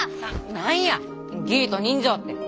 何や義理と人情って。